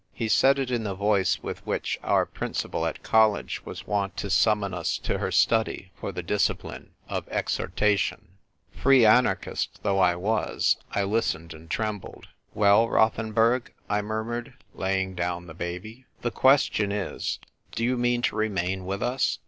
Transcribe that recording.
He said it in the voice with which our Principal at College was wont to summon us to her study for the discipline of exhortation. 78 THE TYPE WRITER GIRL. Free anarchist though I was, I listened and trembled. "Well, Rothenburg? " I murmured, laying down the baby. " The question is, do you mean to remain with us